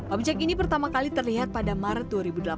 objek ini pertama kali terlihat pada maret dua ribu delapan belas